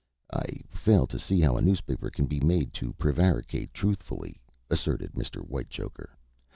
"I fail to see how a newspaper can be made to prevaricate truthfully," asserted Mr. Whitechoker.